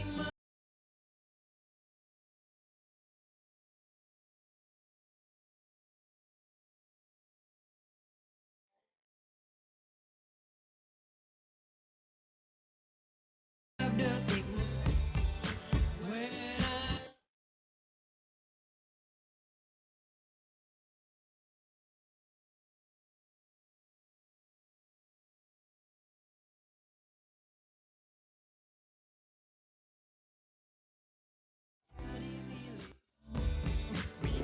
maka aku tak melakukan apa cik unggul